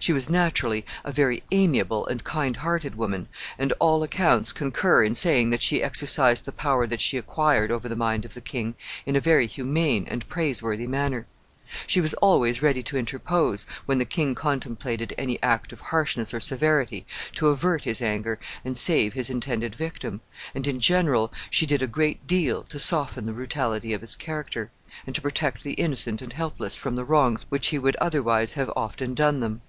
She was naturally a very amiable and kind hearted woman, and all accounts concur in saying that she exercised the power that she acquired over the mind of the king in a very humane and praiseworthy manner. She was always ready to interpose, when the king contemplated any act of harshness or severity, to avert his anger and save his intended victim, and, in general, she did a great deal to soften the brutality of his character, and to protect the innocent and helpless from the wrongs which he would otherwise have often done them.